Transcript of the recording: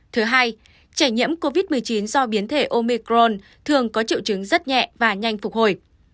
thứ hai trẻ nhiễm covid một mươi chín do biến thể omicron thường có triệu chứng rất nhẹ và nhanh phục hồi